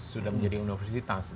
sudah menjadi universitas